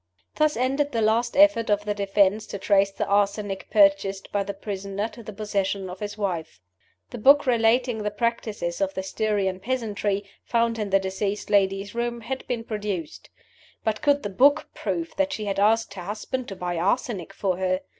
Thus ended the last effort of the defense to trace the arsenic purchased by the prisoner to the possession of his wife. The book relating the practices of the Styrian peasantry (found in the deceased lady's room) had been produced. But could the book prove that she had asked her husband to buy arsenic for her?